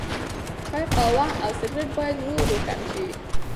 چای، قهوه او سګرټ باید ورو ورو کم شي.